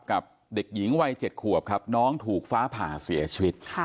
กับเด็กหญิงวัย๗ขวบครับน้องถูกฟ้าผ่าเสียชีวิต